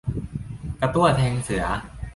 กระตั้วแทงเสือ